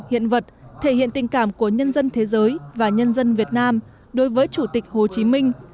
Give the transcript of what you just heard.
hiện vật thể hiện tình cảm của nhân dân thế giới và nhân dân việt nam đối với chủ tịch hồ chí minh